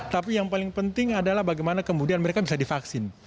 tapi yang paling penting adalah bagaimana kemudian mereka bisa divaksin